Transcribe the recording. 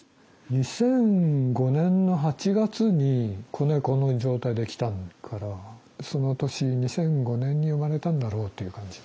２００５年の８月に子猫の状態で来たからその年２００５年に生まれたんだろうっていう感じかな。